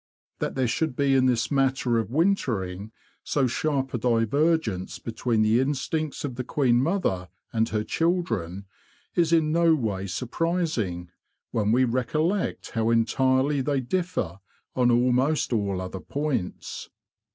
That there should be in this matter of wintering so sharp a divergence between the instincts of the queen mother and her children is in no way sur prising, when we recollect how entirely they differ on almost all other points.